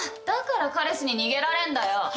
だから彼氏に逃げられんだよ！